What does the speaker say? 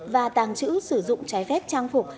và tàng trữ sử dụng trái phép trang phục